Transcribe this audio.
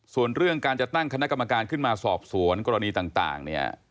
ส่วนเรื่องการจะตั้งคณะกรรมการขึ้นมาสอบสวนกรณีต่างเนี่ย